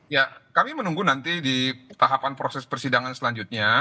ya kami menunggu nanti di tahapan proses persidangan selanjutnya